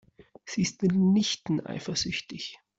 Sie ist mitnichten eifersüchtig.